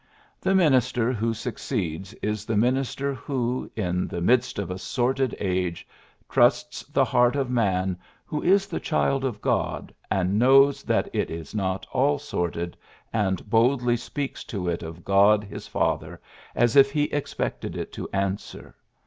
The minister who succeeds is the minister who, in the midst of a sordid age, trusts the heart of man who is the child of God, and knows that it is not all sordid, and boldly speaks to it of God, his Father, as if he expected it to answer.